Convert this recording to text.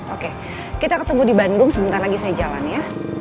oke kita ketemu di bandung sebentar lagi saya jalan ya